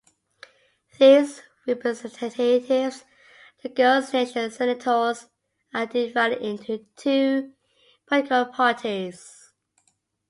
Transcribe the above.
These representatives, the Girls Nation "senators," are divided into two political parties.